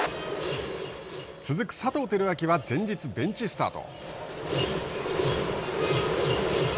続く佐藤輝明は前日ベンチスタート。